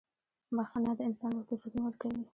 • بخښنه د انسان روح ته سکون ورکوي.